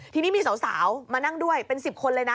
ทีนี้มีสาวมานั่งด้วยเป็น๑๐คนเลยนะ